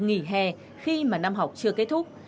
nghỉ hè khi mà năm học chưa kết thúc